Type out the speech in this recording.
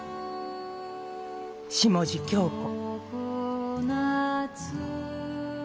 下地響子」。